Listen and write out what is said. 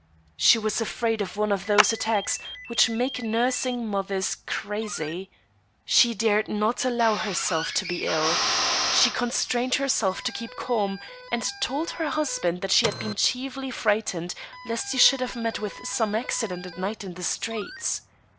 She was afraid of one of those attacks which make nursing mothers crazy. She dared not allow hersMf to be ill. She constrained herself to keep calm, and told her husband that she had been chiefly frightened lest he should have met with some accident at night in the streets.